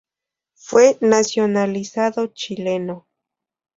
Fue nacionalizado chileno.